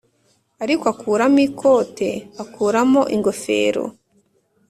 ariko akuramo ikote, akuramo ingofero